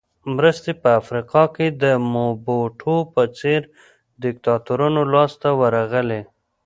مرستې په افریقا کې د موبوټو په څېر دیکتاتورانو لاس ته ورغلې.